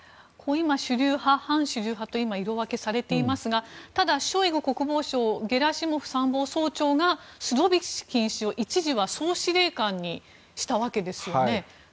主流派・反主流派と色分けされていますがただ、ショイグ国防相ゲラシモフ参謀総長がスロビキン氏を一時は総司令官にしたわけですよね。